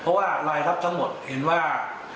เพราะว่ารายรับทั้งหมดเห็นว่า